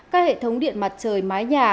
các hệ thống điện mặt trời mái nhà